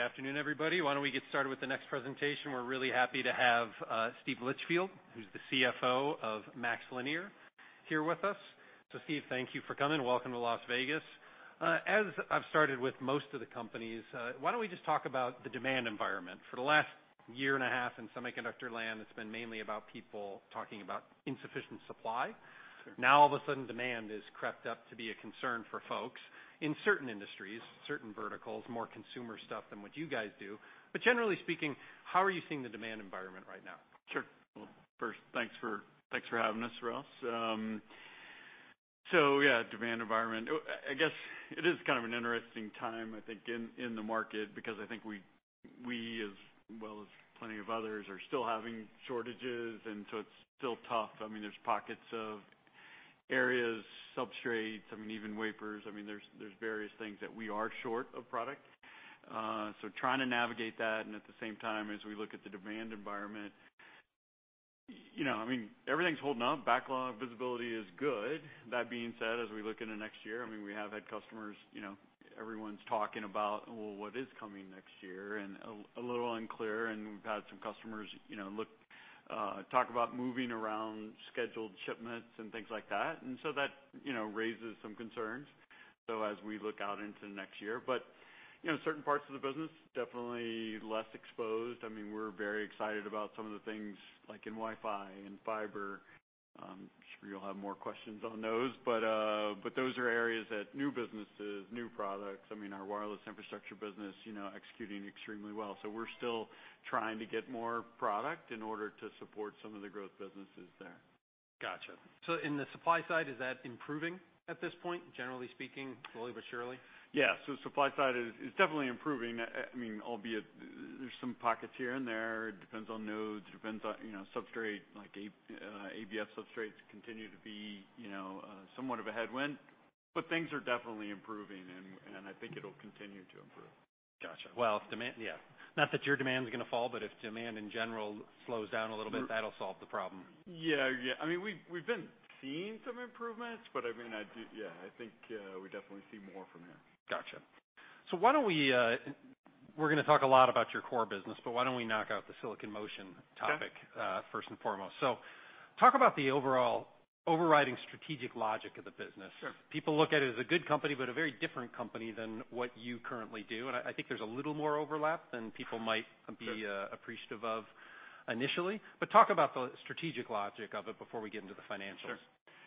Good afternoon, everybody. Why don't we get started with the next presentation? We're really happy to have Steve Litchfield, who's the CFO of MaxLinear, here with us. Steve, thank you for coming. Welcome to Las Vegas. As I've started with most of the companies, why don't we just talk about the demand environment. For the last year and a half in semiconductor land, it's been mainly about people talking about insufficient supply. Sure. Now, all of a sudden, demand has crept up to be a concern for folks in certain industries, certain verticals, more consumer stuff than what you guys do. Generally speaking, how are you seeing the demand environment right now? Sure. Well, first, thanks for having us, Ross. Demand environment. I guess it is kind of an interesting time, I think, in the market because I think we, as well as plenty of others, are still having shortages, and it's still tough. I mean, there's pockets of areas, substrates, I mean, even wafers. I mean, there's various things that we are short of product. Trying to navigate that, and at the same time, as we look at the demand environment, you know, I mean, everything's holding up. Backlog visibility is good. That being said, as we look into next year, I mean, we have had customers, you know, everyone's talking about, well, what is coming next year, and a little unclear, and we've had some customers, you know, look, talk about moving around scheduled shipments and things like that. That, you know, raises some concerns, so as we look out into next year. You know, certain parts of the business, definitely less exposed. I mean, we're very excited about some of the things, like in Wi-Fi and fiber. I'm sure you'll have more questions on those. Those are areas that new businesses, new products, I mean, our wireless infrastructure business, you know, executing extremely well. We're still trying to get more product in order to support some of the growth businesses there. Gotcha. In the supply side, is that improving at this point, generally speaking, slowly but surely? Yeah. Supply side is definitely improving. I mean, albeit there's some pockets here and there. It depends on nodes. It depends on, you know, substrate, like a ABF substrates continue to be, you know, somewhat of a headwind. Things are definitely improving, and I think it'll continue to improve. Gotcha. Well, if demand, yeah. Not that your demand's gonna fall, but if demand in general slows down a little bit. We're- That'll solve the problem. Yeah. I mean, we've been seeing some improvements, but I mean, I do, yeah, I think we definitely see more from here. Gotcha. Why don't we're gonna talk a lot about your core business, but why don't we knock out the Silicon Motion topic. Okay First and foremost. Talk about the overall overriding strategic logic of the business. Sure. People look at it as a good company, but a very different company than what you currently do. I think there's a little more overlap than people might- Sure Be appreciative of it initially. Talk about the strategic logic of it before we get into the financials. Sure.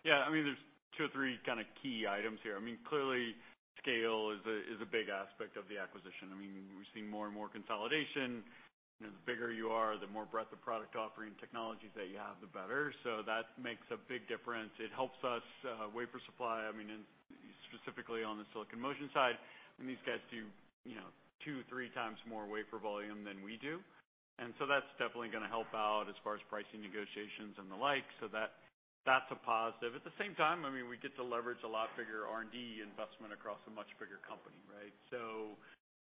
Yeah. I mean, there's 2 or 3 kinda key items here. I mean, clearly, scale is a big aspect of the acquisition. I mean, we've seen more and more consolidation, and the bigger you are, the more breadth of product offering technologies that you have, the better. So that makes a big difference. It helps us wafer supply, I mean, in specifically on the Silicon Motion side. I mean, these guys do, you know, 2, 3 times more wafer volume than we do. That's definitely gonna help out as far as pricing negotiations and the like, so that's a positive. At the same time, I mean, we get to leverage a lot bigger R&D investment across a much bigger company, right?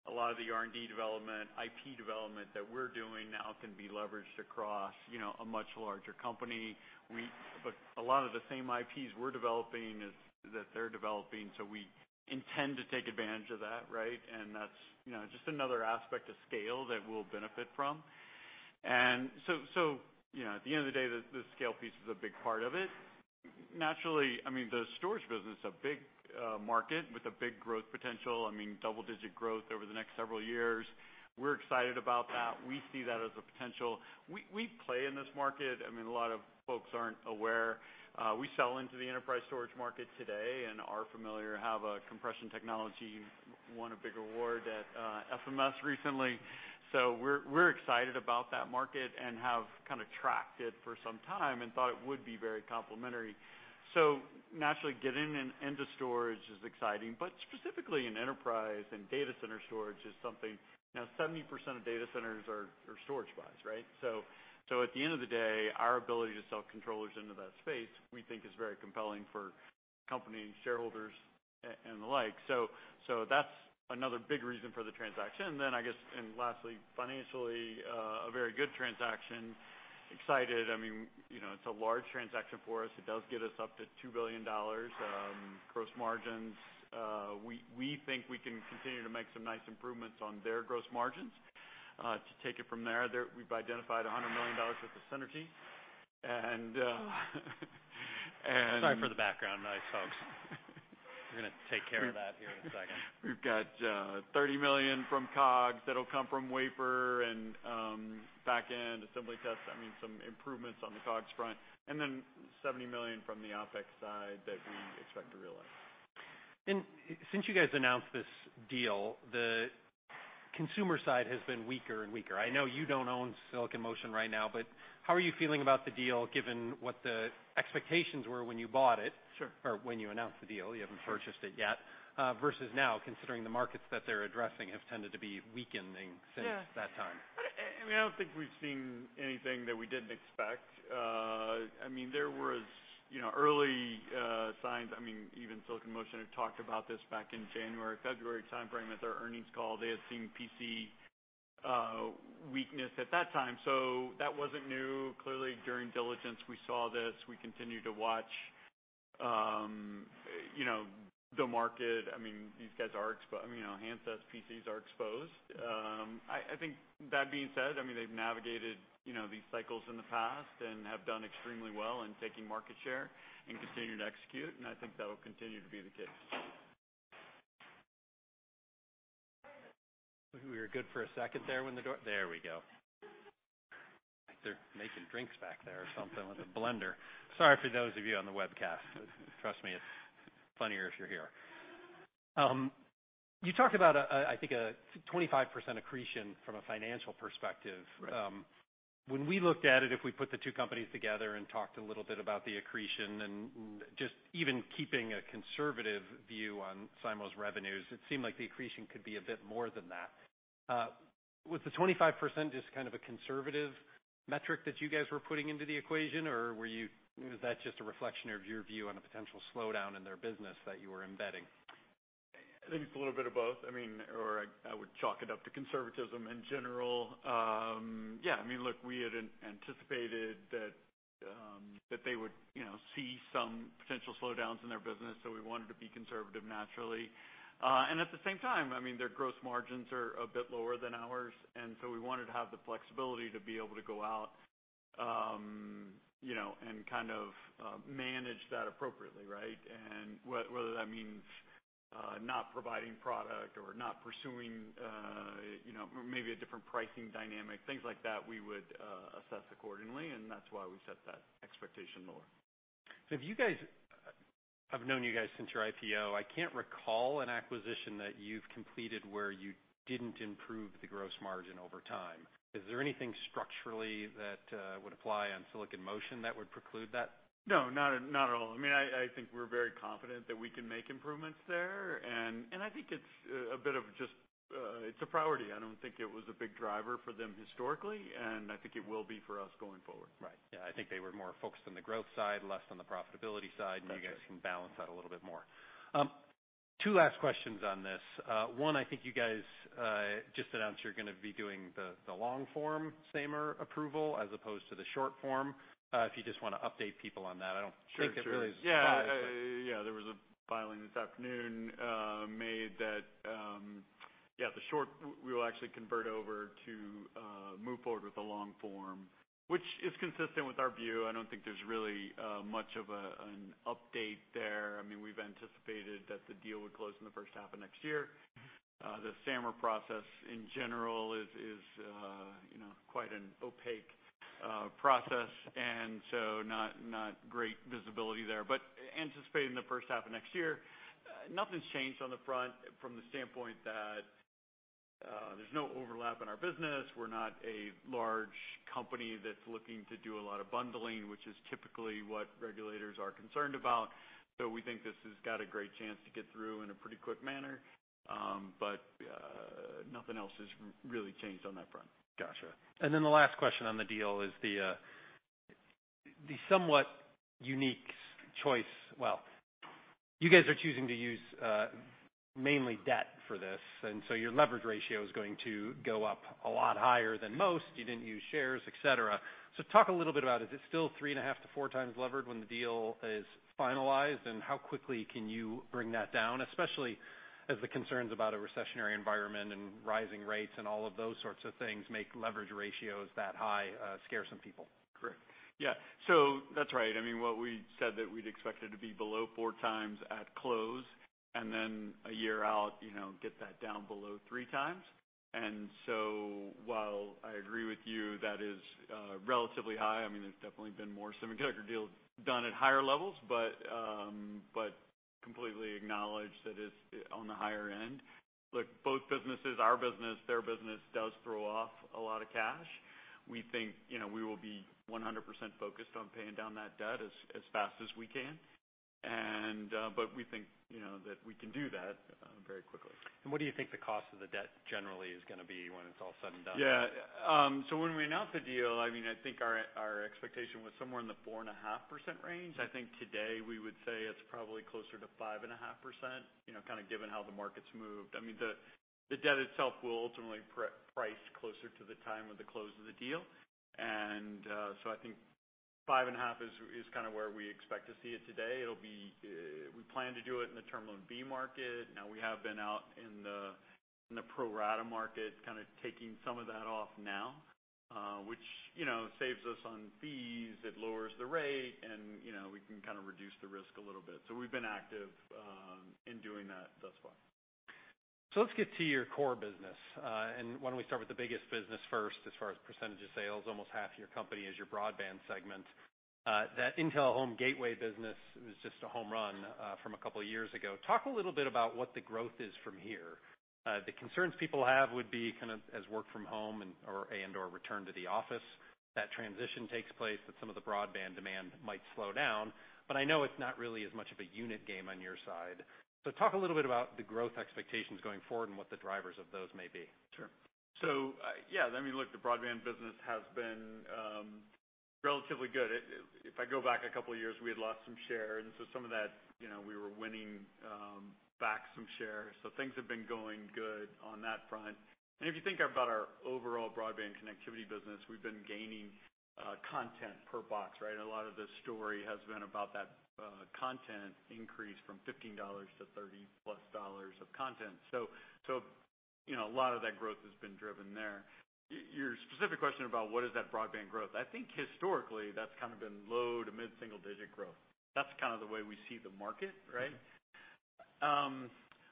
A lot of the R&D development, IP development that we're doing now can be leveraged across, you know, a much larger company. A lot of the same IPs we're developing is, that they're developing, so we intend to take advantage of that, right? That's, you know, just another aspect of scale that we'll benefit from. You know, at the end of the day, the scale piece is a big part of it. Naturally, I mean, the storage business, a big market with a big growth potential. I mean, double-digit growth over the next several years. We're excited about that. We see that as a potential. We play in this market. I mean, a lot of folks aren't aware, we sell into the enterprise storage market today and are familiar, have a compression technology, won a big award at, FMS recently. We're excited about that market and have kinda tracked it for some time and thought it would be very complementary. Naturally, getting into storage is exciting, but specifically in enterprise and data center storage is something. You know, 70% of data centers are storage buys, right? At the end of the day, our ability to sell controllers into that space, we think is very compelling for company shareholders and the like. That's another big reason for the transaction. I guess, and lastly, financially, a very good transaction. Excited, I mean, you know, it's a large transaction for us. It does get us up to $2 billion, gross margins. We think we can continue to make some nice improvements on their gross margins, to take it from there. There, we've identified $100 million worth of synergy. Sorry for the background noise, folks. We're gonna take care of that here in a second. We've got $30 million from COGS that'll come from wafer and back-end assembly tests. I mean, some improvements on the COGS front, and then $70 million from the OpEx side that we expect to realize. Since you guys announced this deal, the consumer side has been weaker and weaker. I know you don't own Silicon Motion right now, but how are you feeling about the deal given what the expectations were when you bought it? Sure. When you announced the deal, you haven't purchased it yet, versus now, considering the markets that they're addressing have tended to be weakening since that time. Yeah. I mean, I don't think we've seen anything that we didn't expect. I mean, there was, you know, early signs. I mean, even Silicon Motion had talked about this back in January, February timeframe at their earnings call. They had seen PC weakness at that time, so that wasn't new. Clearly, during diligence, we saw this. We continue to watch, you know, the market. I mean, these guys are. I mean, you know, handsets, PCs are exposed. I think that being said, I mean, they've navigated, you know, these cycles in the past and have done extremely well in taking market share and continue to execute, and I think that will continue to be the case. We were good for a second there when the door. There we go. They're making drinks back there or something with a blender. Sorry for those of you on the webcast. Trust me, it's funnier if you're here. You talked about, I think, a 25% accretion from a financial perspective. Right. When we looked at it, if we put the two companies together and talked a little bit about the accretion and just even keeping a conservative view on Silicon Motion's revenues, it seemed like the accretion could be a bit more than that. Was the 25% just kind of a conservative metric that you guys were putting into the equation, or was that just a reflection of your view on a potential slowdown in their business that you were embedding? I think it's a little bit of both. I mean, I would chalk it up to conservatism in general. Yeah. I mean, look, we had anticipated that they would, you know, see some potential slowdowns in their business, so we wanted to be conservative naturally. And at the same time, I mean, their gross margins are a bit lower than ours, and so we wanted to have the flexibility to be able to go out, you know, and kind of manage that appropriately, right? Whether that means not providing product or not pursuing, you know, maybe a different pricing dynamic, things like that we would assess accordingly, and that's why we set that expectation lower. Have you guys. I've known you guys since your IPO. I can't recall an acquisition that you've completed where you didn't improve the gross margin over time. Is there anything structurally that would apply on Silicon Motion that would preclude that? No, not at all. I mean, I think we're very confident that we can make improvements there. I think it's a bit of just it's a priority. I don't think it was a big driver for them historically, and I think it will be for us going forward. Right. Yeah. I think they were more focused on the growth side, less on the profitability side. That's right. You guys can balance that a little bit more. Two last questions on this. One, I think you guys just announced you're gonna be doing the long form SAMR approval as opposed to the short form. If you just wanna update people on that. I don't think it really Sure. Yeah, there was a filing this afternoon made that the short form we will actually convert over to move forward with the long form, which is consistent with our view. I don't think there's really much of an update there. I mean, we've anticipated that the deal would close in the first half of next year. The SAMR process in general is, you know, quite an opaque process, and so not great visibility there. Anticipating the first half of next year, nothing's changed on the front from the standpoint that there's no overlap in our business. We're not a large company that's looking to do a lot of bundling, which is typically what regulators are concerned about. We think this has got a great chance to get through in a pretty quick manner, but nothing else has really changed on that front. Gotcha. Then the last question on the deal is the somewhat unique choice. Well, you guys are choosing to use mainly debt for this, and so your leverage ratio is going to go up a lot higher than most. You didn't use shares, et cetera. Talk a little bit about it. Is it still 3.5-4 times levered when the deal is finalized, and how quickly can you bring that down, especially as the concerns about a recessionary environment and rising rates and all of those sorts of things make leverage ratios that high scare some people? Correct. Yeah. That's right. I mean, what we said that we'd expect it to be below 4x at close and then a year out, you know, get that down below 3x. While I agree with you, that is relatively high. I mean, there's definitely been more semiconductor deals done at higher levels, but completely acknowledge that it's on the higher end. Look, both businesses, our business, their business, does throw off a lot of cash. We think, you know, we will be 100% focused on paying down that debt as fast as we can. We think, you know, that we can do that very quickly. What do you think the cost of the debt generally is gonna be when it's all said and done? Yeah. So when we announced the deal, I mean, I think our expectation was somewhere in the 4.5% range. I think today we would say it's probably closer to 5.5%, you know, kind of given how the market's moved. I mean, the debt itself will ultimately price closer to the time of the close of the deal. I think 5.5% is kind of where we expect to see it today. It'll be, we plan to do it in the Term Loan B market. Now we have been out in the pro rata market, kind of taking some of that off now, which, you know, saves us on fees, it lowers the rate and, you know, we can kind of reduce the risk a little bit. We've been active in doing that thus far. Let's get to your core business. Why don't we start with the biggest business first as far as percentage of sales. Almost half your company is your broadband segment. That Intel Home Gateway business was just a home run from a couple of years ago. Talk a little bit about what the growth is from here. The concerns people have would be kind of as work from home or return to the office, that transition takes place, that some of the broadband demand might slow down. But I know it's not really as much of a unit game on your side. Talk a little bit about the growth expectations going forward and what the drivers of those may be. Sure. Yeah, I mean, look, the broadband business has been relatively good. If I go back a couple of years, we had lost some share, and so some of that, you know, we were winning back some share. Things have been going good on that front. If you think about our overall broadband connectivity business, we've been gaining content per box, right? A lot of the story has been about that content increase from $15 to $30-plus of content. You know, a lot of that growth has been driven there. Your specific question about what is that broadband growth, I think historically, that's kind of been low- to mid-single-digit growth. That's kind of the way we see the market, right?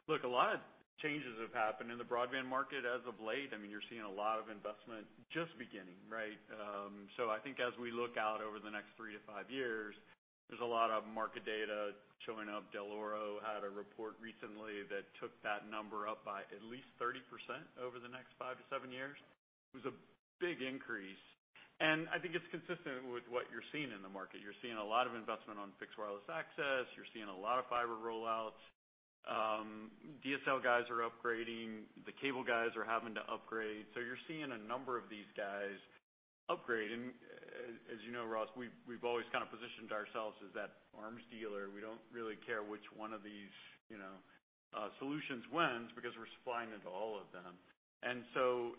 Look, a lot of changes have happened in the broadband market as of late. I mean, you're seeing a lot of investment just beginning, right? I think as we look out over the next 3-5 years, there's a lot of market data showing up. Dell'Oro had a report recently that took that number up by at least 30% over the next 5-7 years. It was a big increase, and I think it's consistent with what you're seeing in the market. You're seeing a lot of investment on fixed wireless access. You're seeing a lot of fiber rollouts. DSL guys are upgrading. The cable guys are having to upgrade. You're seeing a number of these guys upgrade and as you know, Ross, we've always kind of positioned ourselves as that arms dealer. We don't really care which one of these, you know, solutions wins because we're supplying into all of them.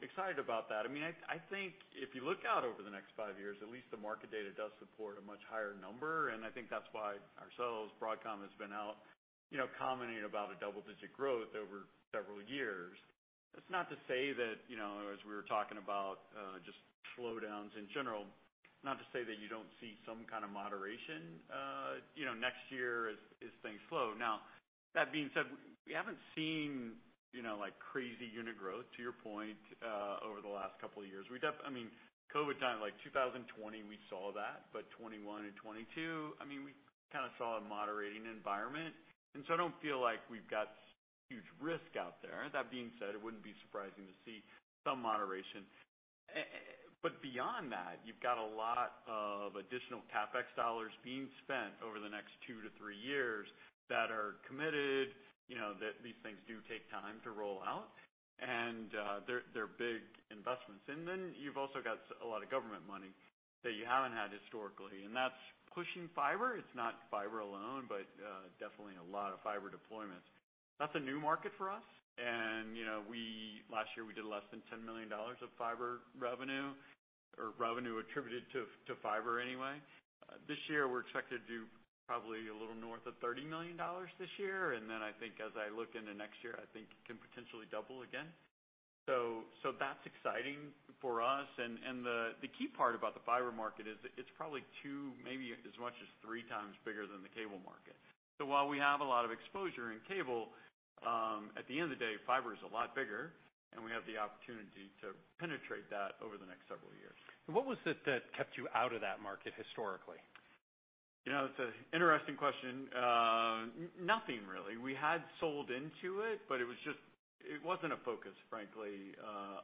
excited about that. I mean, I think if you look out over the next five years, at least the market data does support a much higher number, and I think that's why ourselves, Broadcom, has been out, you know, commenting about a double-digit growth over several years. That's not to say that, you know, as we were talking about, just slowdowns in general, not to say that you don't see some kind of moderation, you know, next year as things slow. Now that being said, we haven't seen, you know, like crazy unit growth, to your point, over the last couple of years. I mean, COVID time, like 2020 we saw that, but 2021 and 2022, I mean, we kinda saw a moderating environment. I don't feel like we've got huge risk out there. That being said, it wouldn't be surprising to see some moderation. Beyond that, you've got a lot of additional CapEx dollars being spent over the next 2 to 3 years that are committed. You know, that these things do take time to roll out. They're big investments. You've also got a lot of government money that you haven't had historically, and that's pushing fiber. It's not fiber alone, but definitely a lot of fiber deployments. That's a new market for us and, you know, last year we did less than $10 million of fiber revenue or revenue attributed to fiber anyway. This year we're expected to do probably a little north of $30 million this year, and then I think as I look into next year, I think it can potentially double again. That's exciting for us and the key part about the fiber market is it's probably 2, maybe as much as 3 times bigger than the cable market. While we have a lot of exposure in cable, at the end of the day, fiber is a lot bigger, and we have the opportunity to penetrate that over the next several years. What was it that kept you out of that market historically? You know, it's an interesting question. Nothing really. We had sold into it, but it wasn't a focus, frankly,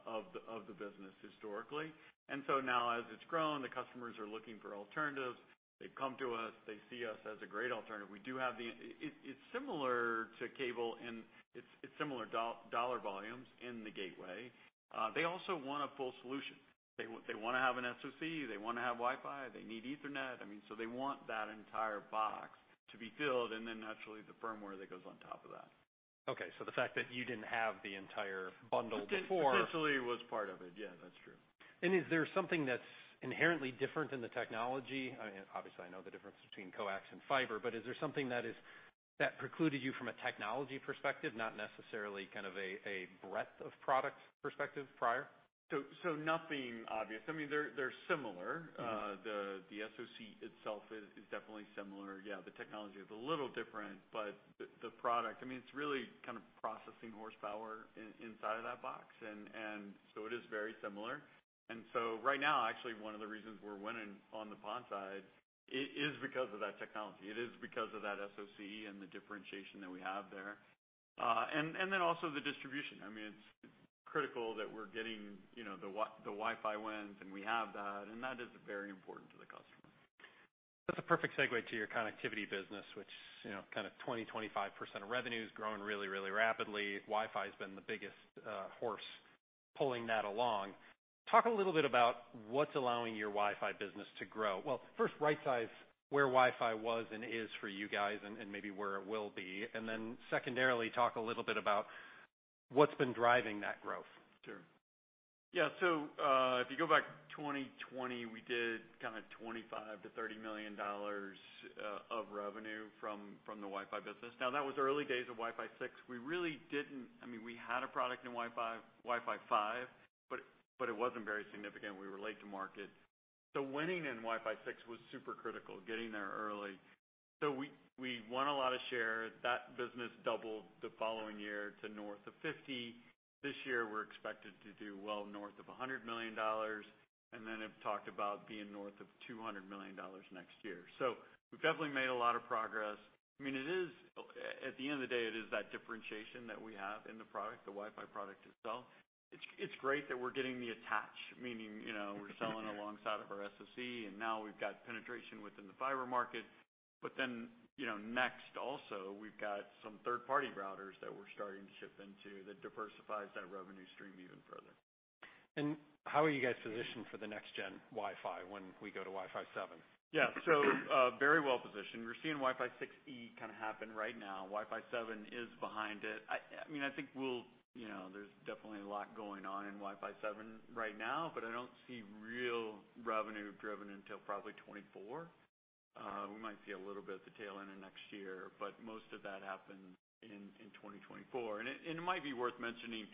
of the business historically. Now as it's grown, the customers are looking for alternatives. They've come to us. They see us as a great alternative. We do have the. It's similar to cable and it's similar dollar volumes in the gateway. They also want a full solution. They wanna have an SoC, they wanna have Wi-Fi, they need Ethernet. I mean, they want that entire box to be filled, and then naturally the firmware that goes on top of that. Okay. The fact that you didn't have the entire bundle before. Potentially was part of it. Yeah, that's true. Is there something that's inherently different in the technology? I mean, obviously I know the difference between coax and fiber, but is there something that precluded you from a technology perspective, not necessarily kind of a breadth of product perspective prior? Nothing obvious. I mean, they're similar. The SoC itself is definitely similar. Yeah, the technology is a little different, but the product, I mean, it's really kind of processing horsepower inside of that box and so it is very similar. Right now, actually one of the reasons we're winning on the PON side is because of that technology. It is because of that SoC and the differentiation that we have there. Then also the distribution. I mean, it's critical that we're getting, you know, the Wi-Fi wins and we have that, and that is very important to the customer. That's a perfect segue to your connectivity business, which, you know, kind of 20%-25% of revenue is growing really, really rapidly. Wi-Fi's been the biggest horse pulling that along. Talk a little bit about what's allowing your Wi-Fi business to grow. Well, first, right size where Wi-Fi was and is for you guys and maybe where it will be. Then secondarily, talk a little bit about what's been driving that growth. Sure. Yeah. If you go back 2020, we did kinda $25-$30 million of revenue from the Wi-Fi business. Now, that was early days of Wi-Fi 6. I mean, we had a product in Wi-Fi, Wi-Fi 5, but it wasn't very significant. We were late to market. Winning in Wi-Fi 6 was super critical, getting there early. We won a lot of share. That business doubled the following year to north of $50 million. This year, we're expected to do well north of $100 million, and then have talked about being north of $200 million next year. We've definitely made a lot of progress. I mean, it is, at the end of the day, it is that differentiation that we have in the product, the Wi-Fi product itself. It's great that we're getting the attach, meaning, you know, we're selling alongside of our SoC, and now we've got penetration within the fiber market. You know, next also, we've got some third-party routers that we're starting to ship into that diversifies that revenue stream even further. How are you guys positioned for the next-gen Wi-Fi when we go to Wi-Fi 7? Yeah. Very well positioned. We're seeing Wi-Fi 6E kinda happen right now. Wi-Fi 7 is behind it. I mean, I think we'll, you know, there's definitely a lot going on in Wi-Fi 7 right now, but I don't see real revenue driven until probably 2024. We might see a little bit at the tail end of next year, but most of that happens in 2024. It might be worth mentioning,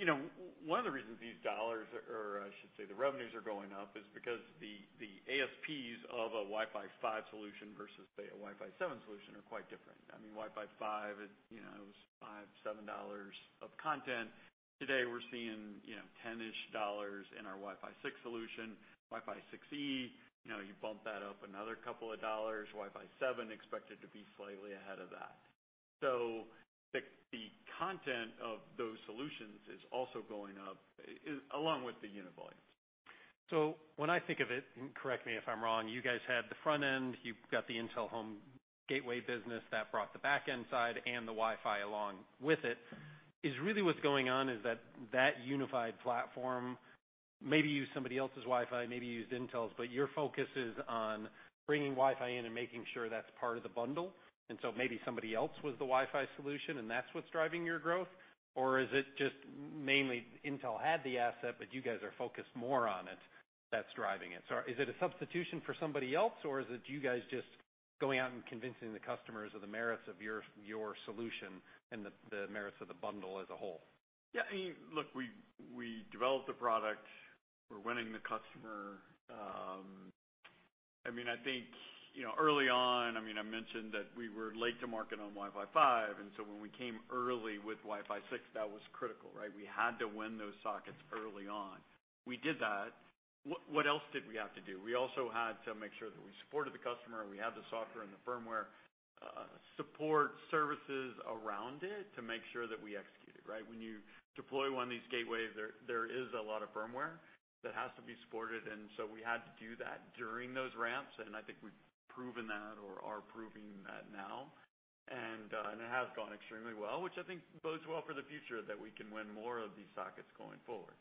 you know, one of the reasons these dollars are, or I should say, the revenues are going up, is because the ASPs of a Wi-Fi 5 solution versus say, a Wi-Fi 7 solution are quite different. I mean, Wi-Fi 5 is, you know, it was $5-$7 of content. Today we're seeing, you know, 10-ish dollars in our Wi-Fi 6 solution. Wi-Fi 6E, you know, you bump that up another couple of dollars. Wi-Fi 7 expected to be slightly ahead of that. The content of those solutions is also going up, along with the unit volumes. When I think of it, and correct me if I'm wrong, you guys had the front end. You've got the Intel home gateway business that brought the back-end side and the Wi-Fi along with it. Is really what's going on is that that unified platform maybe used somebody else's Wi-Fi, maybe used Intel's, but your focus is on bringing Wi-Fi in and making sure that's part of the bundle. Maybe somebody else was the Wi-Fi solution and that's what's driving your growth? Or is it just mainly Intel had the asset, but you guys are focused more on it, that's driving it? Is it a substitution for somebody else, or is it you guys just going out and convincing the customers of the merits of your solution and the merits of the bundle as a whole? Yeah, I mean, look, we developed the product. We're winning the customer. I mean, I think, you know, early on, I mean, I mentioned that we were late to market on Wi-Fi 5. When we came early with Wi-Fi 6, that was critical, right? We had to win those sockets early on. We did that. What else did we have to do? We also had to make sure that we supported the customer, we had the software and the firmware, support services around it to make sure that we executed, right? When you deploy one of these gateways, there is a lot of firmware that has to be supported, and so we had to do that during those ramps, and I think we've proven that or are proving that now. It has gone extremely well, which I think bodes well for the future that we can win more of these sockets going forward.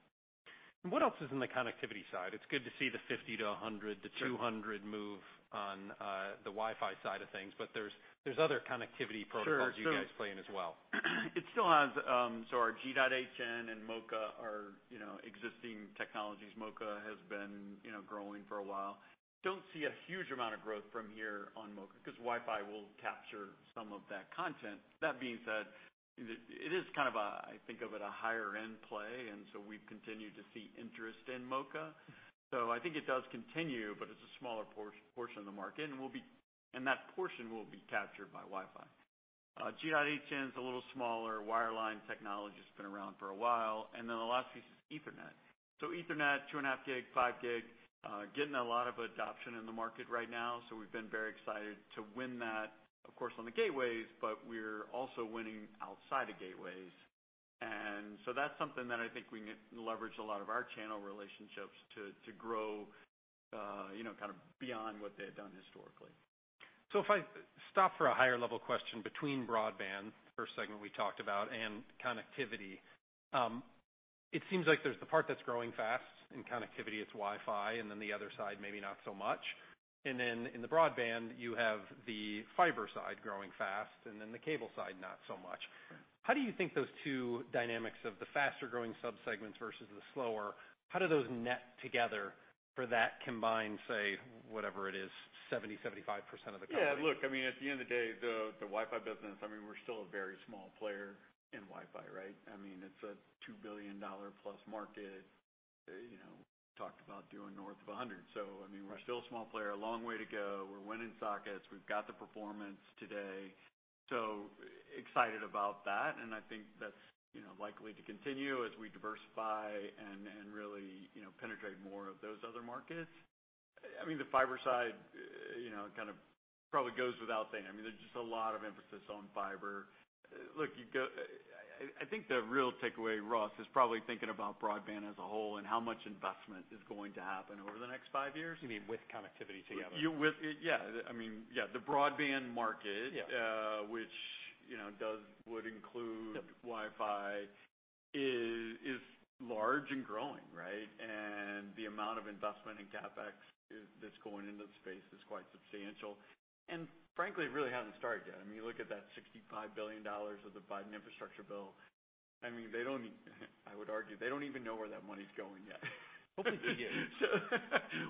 What else is in the connectivity side? It's good to see the 50-100, the 200 move on, the Wi-Fi side of things, but there's other connectivity protocols. Sure. You guys play in as well. It still has so our G.hn and MoCA are existing technologies. MoCA has been growing for a while. Don't see a huge amount of growth from here on MoCA, 'cause Wi-Fi will capture some of that content. That being said, it is kind of a, I think of it, a higher end play, and so we've continued to see interest in MoCA. I think it does continue, but it's a smaller portion of the market, and that portion will be captured by Wi-Fi. G.hn's a little smaller. Wireline technology's been around for a while. Then the last piece is Ethernet. Ethernet, 2.5 gig, 5 gig, getting a lot of adoption in the market right now, so we've been very excited to win that, of course, on the gateways, but we're also winning outside of gateways. That's something that I think we can leverage a lot of our channel relationships to grow, you know, kind of beyond what they had done historically. If I stop for a higher level question between broadband, first segment we talked about, and connectivity, it seems like there's the part that's growing fast in connectivity, it's Wi-Fi, and then the other side maybe not so much. In the broadband, you have the fiber side growing fast, and then the cable side not so much. Yeah. How do you think those two dynamics of the faster growing subsegments versus the slower, how do those net together for that combined, say, whatever it is, 70-75% of the company? Yeah, look, I mean, at the end of the day, the Wi-Fi business, I mean, we're still a very small player in Wi-Fi, right? I mean, it's a $2 billion-plus market. You know, talked about doing north of $100. I mean- Right We're still a small player, a long way to go. We're winning sockets. We've got the performance today, so excited about that, and I think that's, you know, likely to continue as we diversify and really, you know, penetrate more of those other markets. I mean, the fiber side, you know, kind of probably goes without saying, I mean, there's just a lot of emphasis on fiber. I think the real takeaway, Ross, is probably thinking about broadband as a whole and how much investment is going to happen over the next five years. You mean with connectivity together? With it, yeah. I mean, yeah, the broadband market. Yeah which, you know, would include. Yep Wi-Fi is large and growing, right? The amount of investment in CapEx that's going into the space is quite substantial. Frankly, it really hasn't started yet. I mean, look at that $65 billion of the Biden infrastructure bill. I mean, I would argue they don't even know where that money's going yet. Hopefully to you.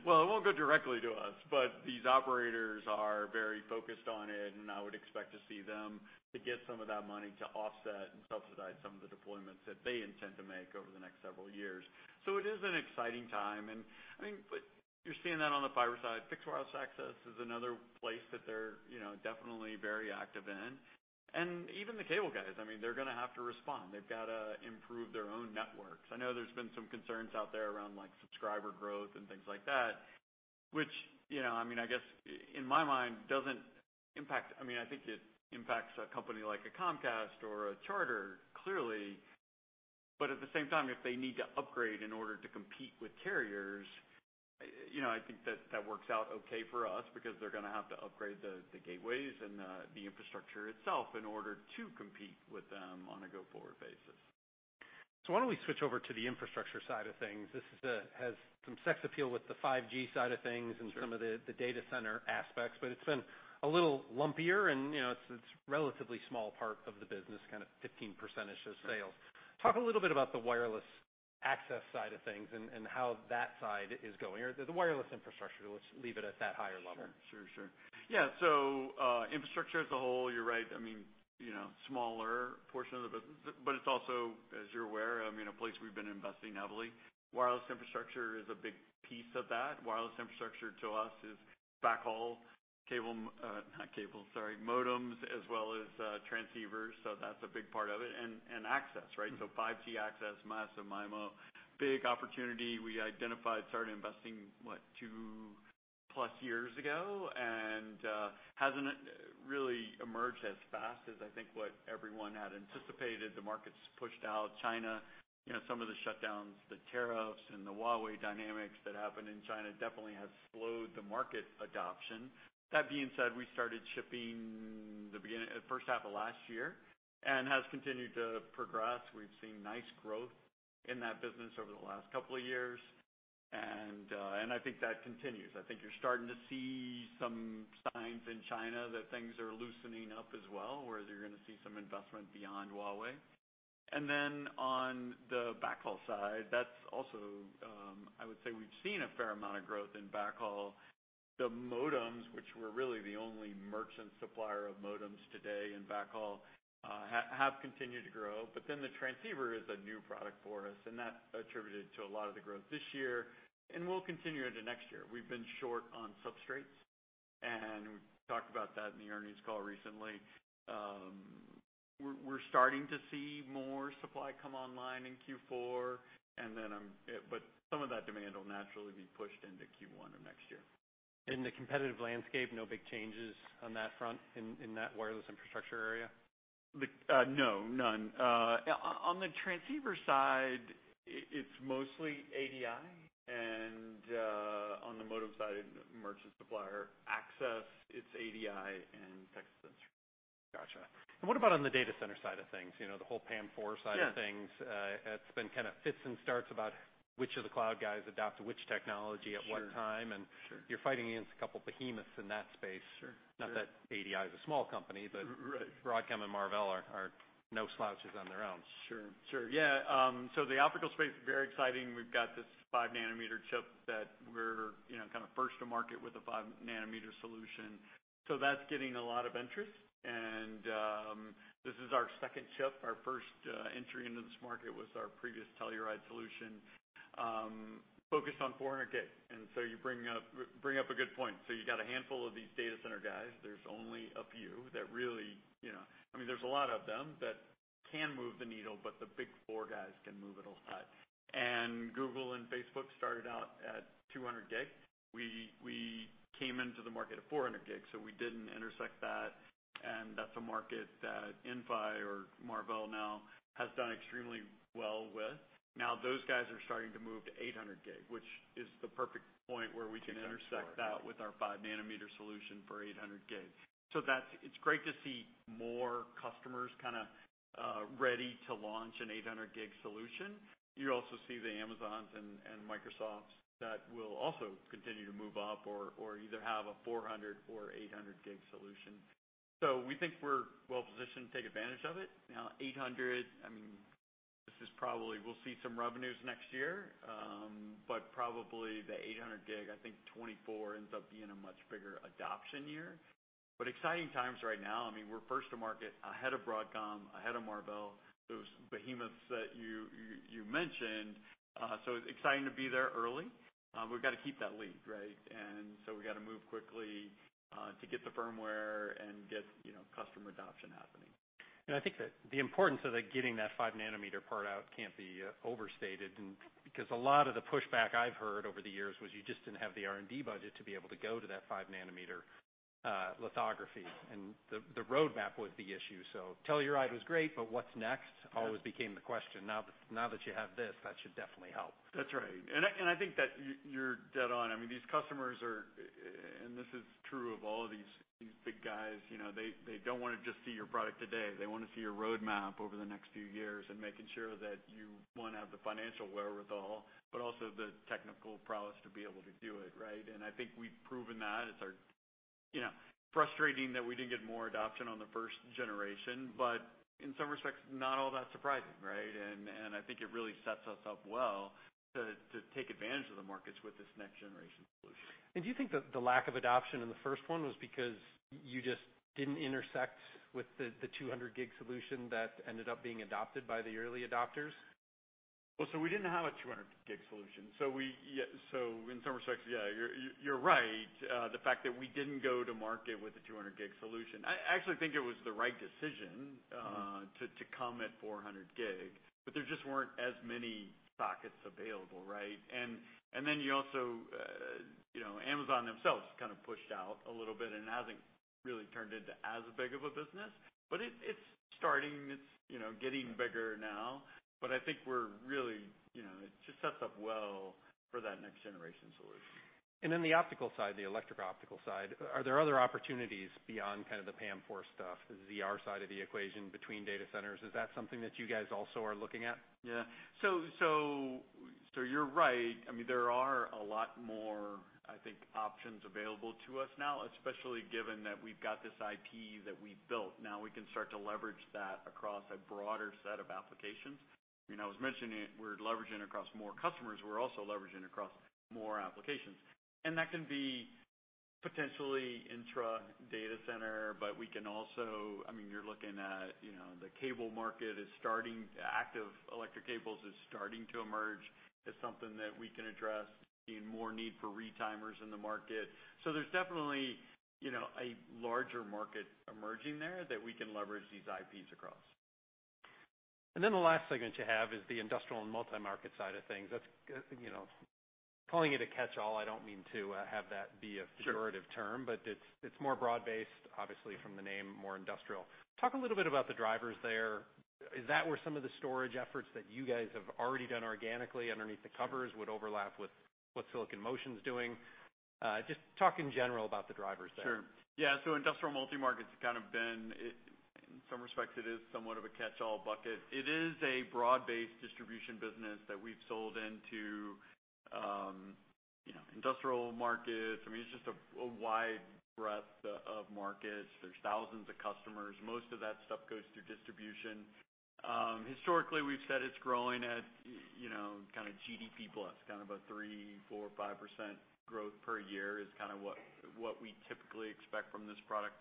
Well, it won't go directly to us, but these operators are very focused on it, and I would expect to see them to get some of that money to offset and subsidize some of the deployments that they intend to make over the next several years. It is an exciting time and I mean, but you're seeing that on the fiber side. Fixed Wireless Access is another place that they're, you know, definitely very active in. Even the cable guys, I mean, they're gonna have to respond. They've gotta improve their own networks. I know there's been some concerns out there around, like, subscriber growth and things like that, which, you know, I mean, I guess in my mind, doesn't impact. I mean, I think it impacts a company like a Comcast or a Charter, clearly. At the same time, if they need to upgrade in order to compete with carriers, you know, I think that works out okay for us because they're gonna have to upgrade the gateways and the infrastructure itself in order to compete with them on a go-forward basis. Why don't we switch over to the infrastructure side of things? This has some sex appeal with the 5G side of things. Sure some of the data center aspects, but it's been a little lumpier and, you know, it's relatively small part of the business, kind of 15% of sales. Sure. Talk a little bit about the wireless side, access side of things and how that side is going, or the wireless infrastructure. Let's leave it at that higher level. Sure. Yeah, infrastructure as a whole, you're right, I mean, you know, smaller portion of the business. It's also, as you're aware, I mean, a place we've been investing heavily. Wireless infrastructure is a big piece of that. Wireless infrastructure to us is backhaul, modems, as well as, transceivers, so that's a big part of it, and access, right? 5G access, Massive MIMO. Big opportunity we identified, started investing, what, 2+ years ago, and hasn't really emerged as fast as I think what everyone had anticipated. The markets pushed out China. You know, some of the shutdowns, the tariffs, and the Huawei dynamics that happened in China definitely has slowed the market adoption. That being said, we started shipping first half of last year and has continued to progress. We've seen nice growth in that business over the last couple of years, and I think that continues. I think you're starting to see some signs in China that things are loosening up as well, where you're gonna see some investment beyond Huawei. On the backhaul side, that's also, I would say we've seen a fair amount of growth in backhaul. The modems, which we're really the only merchant supplier of modems today in backhaul, have continued to grow. The transceiver is a new product for us, and that contributed to a lot of the growth this year and will continue into next year. We've been short on substrates, and we talked about that in the earnings call recently. We're starting to see more supply come online in Q4, and then but some of that demand will naturally be pushed into Q1 of next year. In the competitive landscape, no big changes on that front in that wireless infrastructure area? No, none. On the transceiver side, it's mostly ADI and, on the modem side, merchant supplier access, it's ADI and Texas Instruments. Gotcha. What about on the data center side of things? You know, the whole PAM-4 side. Yeah. of things. It's been kinda fits and starts about which of the cloud guys adopt which technology at what time. Sure, sure. You're fighting against a couple behemoths in that space. Sure, sure. Not that ADI's a small company, but Right. Broadcom and Marvell are no slouches on their own. Sure, sure. Yeah, the optical space is very exciting. We've got this 5 nm chip that we're, you know, kinda first to market with a 5 nm solution. That's getting a lot of interest and this is our second chip. Our first entry into this market was our previous Telluride solution, focused on 400G. You're bringing up a good point. You got a handful of these data center guys. There's only a few that really, you know—I mean, there's a lot of them that can move the needle, but the big four guys can move it a lot. Google and Facebook started out at 200G. We came into the market at 400G, so we didn't intersect that, and that's a market that Inphi or Marvell now has done extremely well with. Those guys are starting to move to 800G, which is the perfect point where we can intersect that with our 5 nm solution for 800G. It's great to see more customers kinda ready to launch an 800G solution. You also see the Amazon and Microsoft that will also continue to move up or either have a 400G or 800G solution. We think we're well positioned to take advantage of it. Now 800G, I mean, this is probably we'll see some revenues next year, but probably the 800G, I think 2024 ends up being a much bigger adoption year. Exciting times right now. I mean, we're first to market ahead of Broadcom, ahead of Marvell, those behemoths that you mentioned. It's exciting to be there early. We've gotta keep that lead, right? We gotta move quickly to get the firmware and, you know, customer adoption happening. I think that the importance of getting that 5 nm part out can't be overstated, because a lot of the pushback I've heard over the years was you just didn't have the R&D budget to be able to go to that 5 nm lithography, and the roadmap was the issue. Telluride was great, but what's next always became the question. Now that you have this, that should definitely help. That's right. I think that you're dead on. I mean, these customers are. This is true of all of these big guys. You know, they don't wanna just see your product today. They wanna see your roadmap over the next few years and making sure that you wanna have the financial wherewithal but also the technical prowess to be able to do it, right? I think we've proven that. It's our. You know, frustrating that we didn't get more adoption on the first generation, but in some respects, not all that surprising, right? I think it really sets us up well to take advantage of the markets with this next generation solution. Do you think that the lack of adoption in the first one was because you just didn't intersect with the 200 gig solution that ended up being adopted by the early adopters? We didn't have a 200 gig solution. Yeah, in some respects, yeah, you're right, the fact that we didn't go to market with a 200 gig solution. I actually think it was the right decision. Mm-hmm. To come at 400 gig, but there just weren't as many sockets available, right? You also, you know, Amazon themselves kind of pushed out a little bit and hasn't really turned into as big of a business. It's starting. It's, you know, getting bigger now. I think we're really, you know, it just sets up well for that next generation solution. The optical side, the electro-optical side, are there other opportunities beyond kind of the PAM-4 stuff, the ZR side of the equation between data centers? Is that something that you guys also are looking at? Yeah. You're right. I mean, there are a lot more, I think, options available to us now, especially given that we've got this IP that we've built. Now we can start to leverage that across a broader set of applications. You know, I was mentioning we're leveraging across more customers, we're also leveraging across more applications. That can be potentially intra data center, but we can also, I mean, you're looking at, you know, Active Electrical Cables is starting to emerge as something that we can address, seeing more need for retimers in the market. There's definitely, you know, a larger market emerging there that we can leverage these IPs across. The last segment you have is the industrial and multi-market side of things. That's, you know, calling it a catch-all. I don't mean to have that be a catch-all. Sure Figurative term, but it's more broad-based, obviously, from the name, more industrial. Talk a little bit about the drivers there. Is that where some of the storage efforts that you guys have already done organically underneath the covers would overlap with what Silicon Motion's doing? Just talk in general about the drivers there. Sure. Yeah, industrial multi-market's kind of been, in some respects, it is somewhat of a catch-all bucket. It is a broad-based distribution business that we've sold into, you know, industrial markets. I mean, it's just a wide breadth of markets. There's thousands of customers. Most of that stuff goes through distribution. Historically, we've said it's growing at, you know, kind of GDP plus, kind of a 3%-5% growth per year is kind of what we typically expect from this product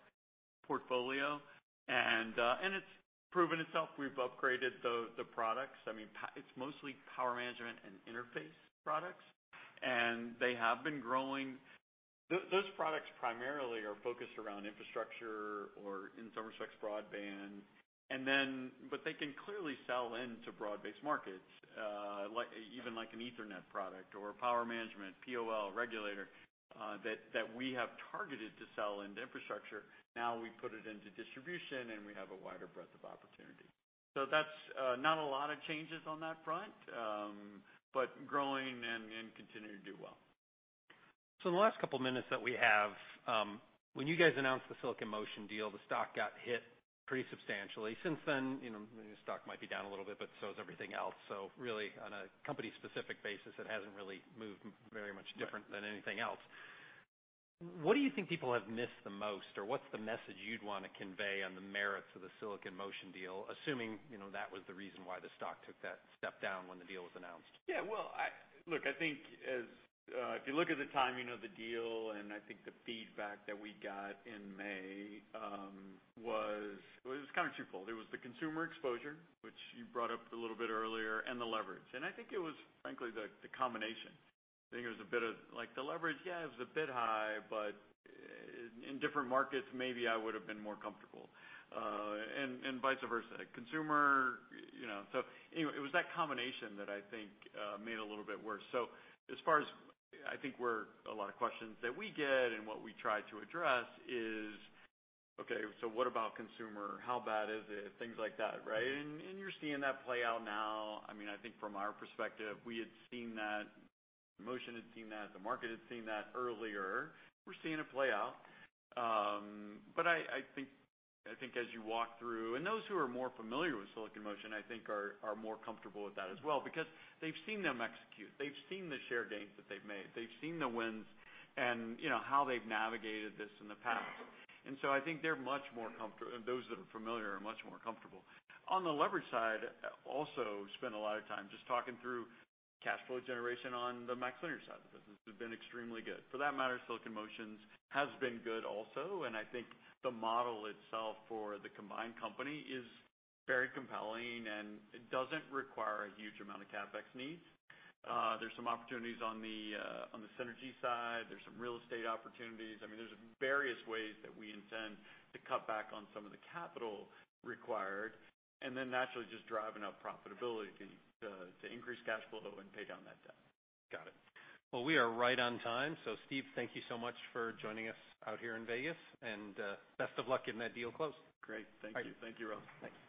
portfolio. It's proven itself. We've upgraded the products. I mean, it's mostly power management and interface products, and they have been growing. Those products primarily are focused around infrastructure or in some respects, broadband. They can clearly sell into broad-based markets, like, even like an Ethernet product or power management, POL, regulator, that we have targeted to sell into infrastructure. Now we put it into distribution, and we have a wider breadth of opportunity. That's not a lot of changes on that front, but growing and continuing to do well. In the last couple minutes that we have, when you guys announced the Silicon Motion deal, the stock got hit pretty substantially. Since then, you know, the stock might be down a little bit, but so is everything else. Really on a company-specific basis, it hasn't really moved very much different- Right than anything else. What do you think people have missed the most? Or what's the message you'd wanna convey on the merits of the Silicon Motion deal, assuming, you know, that was the reason why the stock took that step down when the deal was announced? Yeah. Well, look, I think as if you look at the timing of the deal, and I think the feedback that we got in May was, well, it was kind of twofold. It was the consumer exposure, which you brought up a little bit earlier, and the leverage. I think it was frankly the combination. I think it was a bit of like the leverage, yeah, it was a bit high, but in different markets, maybe I would've been more comfortable, and vice versa. Consumer, you know. Anyway, it was that combination that I think made it a little bit worse. As far as, I think there were a lot of questions that we get and what we try to address is, okay, so what about consumer? How bad is it? Things like that, right? You're seeing that play out now. I mean, I think from our perspective, we had seen that, Motion had seen that, the market had seen that earlier. We're seeing it play out. I think as you walk through, those who are more familiar with Silicon Motion are more comfortable with that as well because they've seen them execute. They've seen the share gains that they've made, they've seen the wins and, you know, how they've navigated this in the past. I think those that are familiar are much more comfortable. On the leverage side, we also spend a lot of time just talking through cash flow generation on the MaxLinear side of the business. They've been extremely good. For that matter, Silicon Motion's has been good also, and I think the model itself for the combined company is very compelling, and it doesn't require a huge amount of CapEx needs. There's some opportunities on the synergy side. There's some real estate opportunities. I mean, there's various ways that we intend to cut back on some of the capital required, and then naturally just driving up profitability to increase cash flow and pay down that debt. Got it. Well, we are right on time. Steve, thank you so much for joining us out here in Vegas. Best of luck getting that deal closed. Great. Thank you. All right. Thank you, Ross. Thanks.